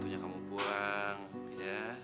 tentang lu ya mini